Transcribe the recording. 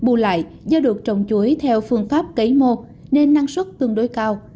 bù lại do được trồng chuối theo phương pháp cấy mô nên năng suất tương đối cao